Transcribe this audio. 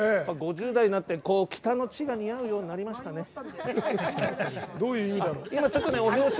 ５０代になって北の地が似合うようになりましたね。